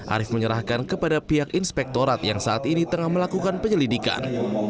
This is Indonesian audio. arief menyerahkan kepada pihak inspektorat yang saat ini tengah melakukan penyelidikan